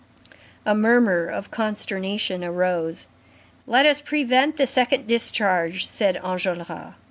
A murmur of consternation arose. "Let us prevent the second discharge," said Enjolras.